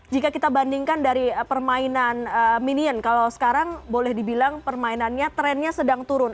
jika kita bandingkan dari permainan minion kalau sekarang boleh dibilang permainannya trennya sedang turun